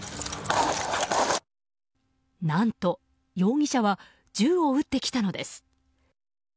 何と、容疑者は銃を撃ってきたのです。